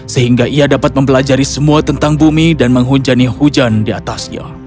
sehingga ia dapat mempelajari semua tentang bumi dan menghujani hujan di atasnya